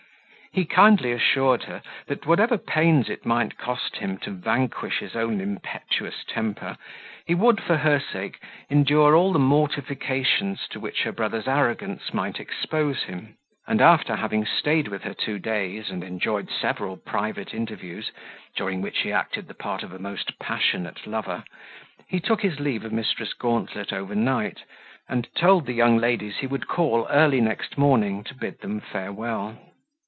He kindly assured her, that whatever pains it might cost him to vanquish his own impetuous temper, he would, for her sake, endure all the mortifications to which her brother's arrogance might expose him; and, after having stayed with her two days, and enjoyed several private interviews, during which he acted the part of a most passionate lover, he took his leave of Mrs. Gauntlet overnight, and told the young ladies he would call early next morning to bid them farewell.